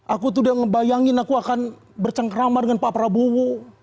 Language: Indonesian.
aku tuh udah ngebayangin aku akan bercangkrama dengan pak prabowo